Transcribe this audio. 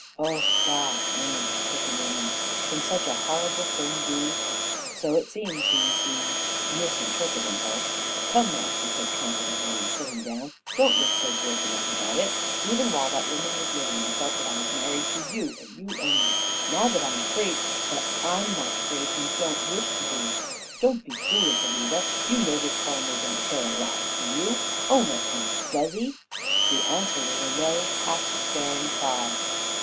"O God!" murmured the stricken woman. "Can such a horrible thing be?" "So it seems," he resumed, misinterpreting her. "Come now!" he said confidently, and sitting down, "Don't look so broken up about it. Even while that woman was living I felt that I was married to you and you only; now that I'm free " "But I'm not free and don't wish to be." "Don't be foolish, Alida. You know this farmer don't care a rap for you. Own up now, does he?" The answer was a low, half despairing cry.